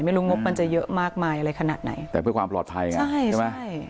ไม่รู้งบมันจะเยอะมากมายอะไรขนาดไหนแต่เพื่อความปลอดภัยอ่ะใช่ใช่